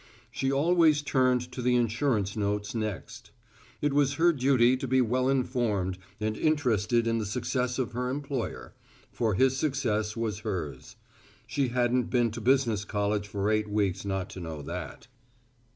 She always turned to the Insurance Notes next. It was her Duty to be Well informed and Interested in the Success of Her Employer, for His Success was Hers. She hadn't been to business college for eight weeks not to know that.